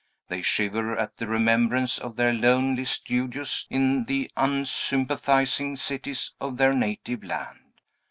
They shiver at the remembrance of their lonely studios in the unsympathizing cities of their native land.